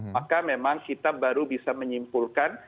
maka memang kita baru bisa menyimpulkan